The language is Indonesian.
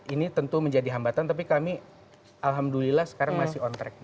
ini tentu menjadi hambatan tapi kami alhamdulillah sekarang masih on track